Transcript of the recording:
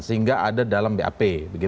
sehingga ada dalam bap